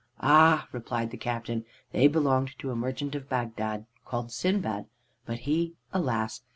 "'Ah!' replied the captain, 'they belonged to a merchant of Bagdad called Sindbad. But he, alas!